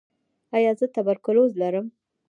ایا زه تبرکلوز لرم؟